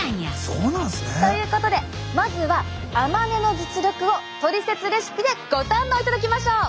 そうなんすね。ということでまずは甘根の実力をトリセツレシピでご堪能いただきましょう！